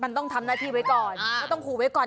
มันต้องทำหน้าที่ไว้ก่อนก็ต้องขู่ไว้ก่อน